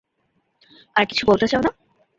আর কিছু বলতে চাও না?